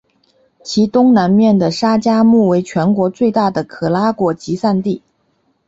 其东南面的沙加穆为全国最大的可拉果集散地。